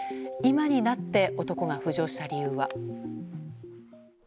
今になって男が浮上した理由は。